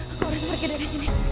aku harus pergi dari sini